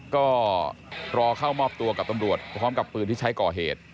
ก็รอเข้ามอบตัวกับตำรวจพร้อมกับปืนที่ใช้ก่อเหตุ